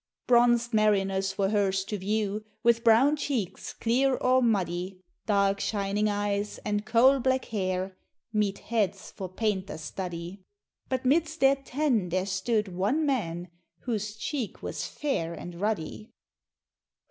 Bronzed mariners were hers to view, With brown cheeks, clear or muddy, Dark shining eyes, and coal black hair, Meet heads for painter's study; But midst their tan there stood one man, Whose cheek was fair and ruddy; IV.